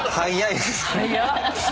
早っ！